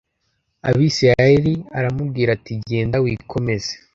Abisirayeli aramubwira ati Genda wikomeze